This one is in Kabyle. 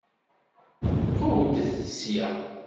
Qewwdet sya!